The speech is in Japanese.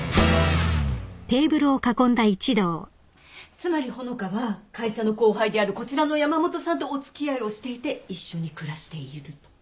つまり穂香は会社の後輩であるこちらの山本さんとお付き合いをしていて一緒に暮らしていると。